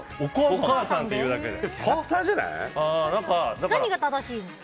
お母さんって言うだけで。